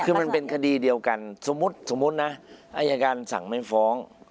คือมันเป็นคดีเดียวกันสมมุตินะอายการสั่งไม่ฟ้อง